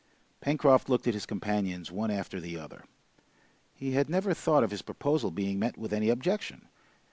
Pencroft looked at his companions one after the other. He had never thought of his proposal being met with any objection.